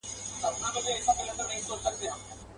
په خوب وینم چي زامن مي وژل کیږي.